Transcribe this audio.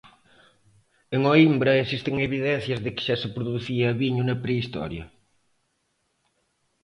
En Oímbra existen evidencias de que xa se producía viño na prehistoria.